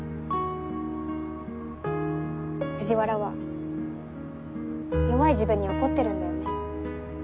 藤原は弱い自分に怒ってるんだよね？